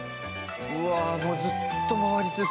うわもうずっと回り続ける。